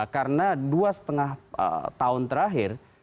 karena dua lima tahun terakhir